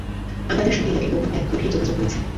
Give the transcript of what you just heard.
আল কায়েদার সঙ্গে ইরাকের গোপন এক গভীর যোগাযোগ রয়েছে।